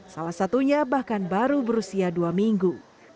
salah satunya bahkan baru berusia dua minggu